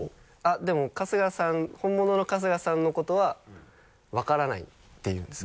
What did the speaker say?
でも本物の春日さんのことは「分からない」って言うんですよ。